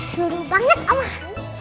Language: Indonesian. seru banget omah